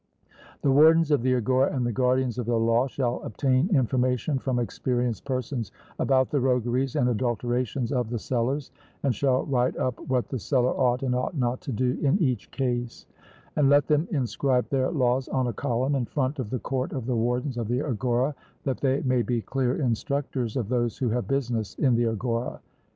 The wardens of the agora and the guardians of the law shall obtain information from experienced persons about the rogueries and adulterations of the sellers, and shall write up what the seller ought and ought not to do in each case; and let them inscribe their laws on a column in front of the court of the wardens of the agora, that they may be clear instructors of those who have business in the agora.